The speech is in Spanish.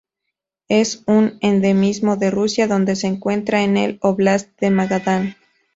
Es un endemismo de Rusia donde se encuentra en el Óblast de Magadán.